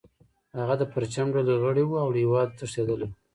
هغه د پرچم ډلې غړی و او له هیواده تښتیدلی و